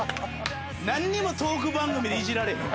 何にもトーク番組でいじられへん。